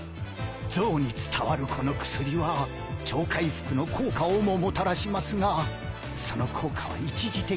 ゾウに伝わるこの薬は超回復の効果をももたらしますがその効果は一時的です。